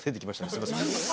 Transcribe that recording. すいません。